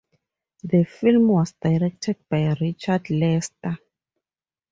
The film was directed by Richard Lester.